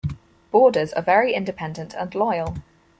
Borders are very independent and loyal.